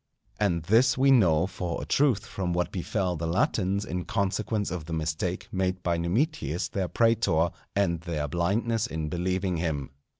And this we know for a truth from what befell the Latins in consequence of the mistake made by Numitius their prætor, and their blindness in believing him.